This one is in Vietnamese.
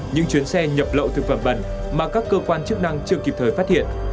những chuyến xe nhập lậu thực phẩm bẩn mà các cơ quan chức năng chưa kịp thời phát hiện